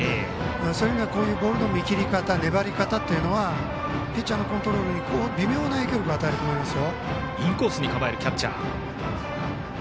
そういう意味ではボールの見切り方、粘り方はピッチャーのコントロールに微妙な影響力を与えると思います。